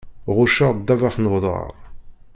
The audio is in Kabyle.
Ɣucceɣ ddabex n uḍaṛ.